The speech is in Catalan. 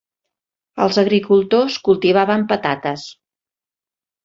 Els agricultors cultivaven patates.